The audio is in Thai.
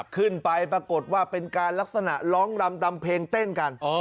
ขึ้นไปปรากฏว่าเป็นการลักษณะร้องรำดำเพลงเต้นกัน